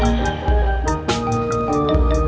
itu jedi apaan sih